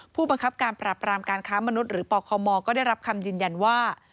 ผู้บังคับการปรับรามการค้ามนุษย์หรือปคมก็ได้รับคำยืนยันว่า